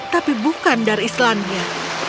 tapi bukan dari istilahnya